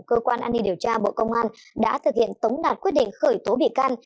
cơ quan an ninh điều tra bộ công an đã thực hiện tống đạt quyết định khởi tố bị can